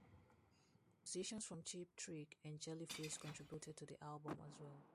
Musicians from Cheap Trick and Jellyfish contributed to the album, as well.